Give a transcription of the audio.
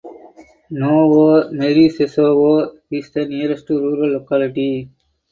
Novomereshchevo is the nearest rural locality.